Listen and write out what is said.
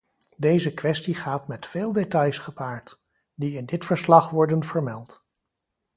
Deze kwestie gaat met veel details gepaard, die in dit verslag worden vermeld.